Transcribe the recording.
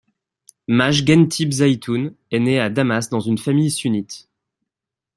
Maj Gen Dib Zaitoun est né à Damas dans une famille Sunnite.